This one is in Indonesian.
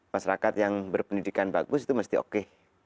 masyarakat yang berpendidikan bagus itu mesti oke